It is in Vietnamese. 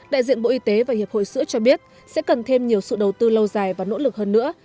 đại diện bộ y tế và hiệp hội sữa cho biết sẽ cần thêm nhiều sự đầu tư lâu dài và nỗ lực hơn nữa